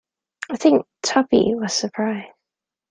I think Tuppy was surprised.